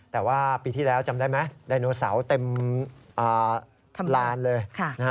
แต่ว่าปีที่แล้วจำได้ไหมไดโนเสาร์เต็มลานเลย